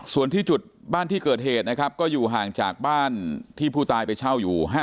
ส่วนที่จุดบ้านที่เกิดเหตุนะครับก็อยู่ห่างจากบ้านที่ผู้ตายไปเช่าอยู่